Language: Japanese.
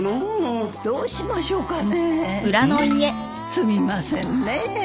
すみませんねえ。